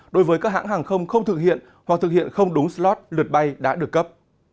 đối với các hãng hàng không không thực hiện hoặc thực hiện không đúng slot lượt bay đã được cấp